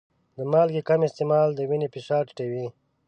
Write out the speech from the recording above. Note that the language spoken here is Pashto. د مالګې کم استعمال د وینې فشار ټیټوي.